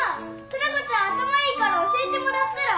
トラコちゃん頭いいから教えてもらったら？